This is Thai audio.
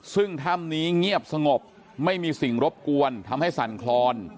ซึ่งถ้ำนี้เงียบสงบไม่มีสิ่งรบกวนทำให้สั่นคลอน